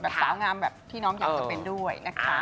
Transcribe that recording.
สาวงามแบบที่น้องอยากจะเป็นด้วยนะคะ